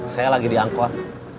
saya lagi di angkot